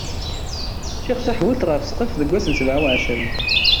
Ččiɣ taḥbult ɣef sqef deg wass n sebɛa uɛecrin.